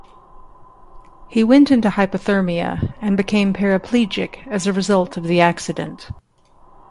He went into hypothermia and became paraplegic as a result of the accident.